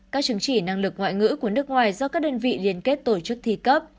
các chứng chỉ năng lực ngoại ngữ của nước ngoài do các đơn vị liên kết tổ chức thi cấp